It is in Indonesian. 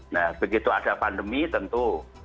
nah begitu ada pandemi tentu